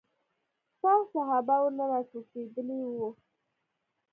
سپاه صحابه ورنه راټوکېدلي وو.